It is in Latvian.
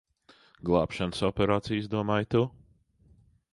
Glābšanas operāciju izdomāji tu.